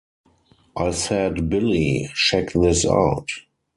I said, Billie, check this out.